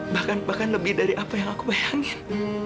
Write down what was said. bahkan bahkan lebih dari apa yang aku bayangin